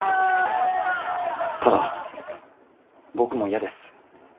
ただ僕も嫌です。